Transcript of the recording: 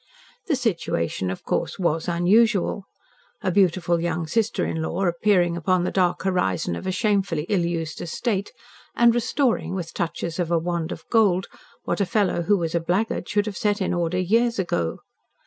The situation, of course, WAS unusual. A beautiful young sister in law appearing upon the dark horizon of a shamefully ill used estate, and restoring, with touches of a wand of gold, what a fellow who was a blackguard should have set in order years ago.